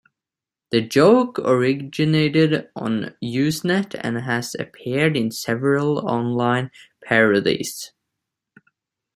The joke originated on Usenet, and has appeared in several online parodies.